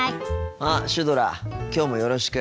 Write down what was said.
あっシュドラきょうもよろしく。